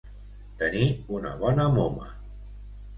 Tenir una bona moma.